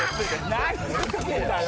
何やってんだよ！